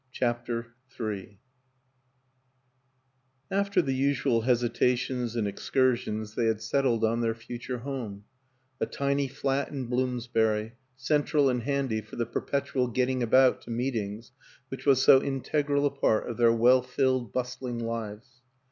CHAPTER III AFTER the usual hesitations and excursions they had settled on their future home a tiny flat in Bloomsbury, central and handy for the perpetual getting about to meetings which was so integral a part of their well filled, bustling lives.